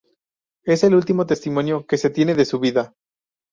Es el último testimonio que se tiene de su vida.